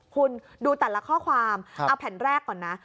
คุณดูแต่ละข้อความเอาแผ่นแรกก่อนนะ